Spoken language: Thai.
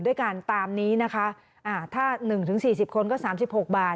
ด้วยการตามนี้นะคะถ้า๑๔๐คนก็๓๖บาท